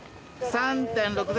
３．６０。